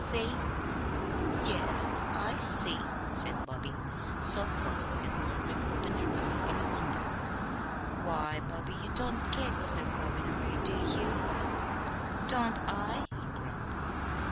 See?" "Yes, I see," said Bobby, so crossly that Margaret opened her eyes in wonder. "Why, Bobby, you don't care 'cause they're goin' away; do you?" "Don't I?" he growled.